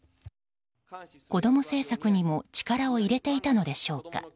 こども政策にも力を入れていたのでしょうか。